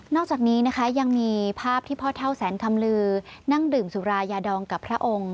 อกจากนี้นะคะยังมีภาพที่พ่อเท่าแสนคำลือนั่งดื่มสุรายาดองกับพระองค์